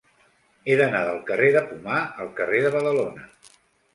He d'anar del carrer de Pomar al carrer de Badalona.